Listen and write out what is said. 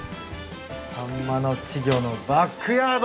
サンマの稚魚のバックヤード！